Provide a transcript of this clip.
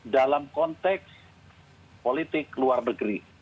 dalam konteks politik luar negeri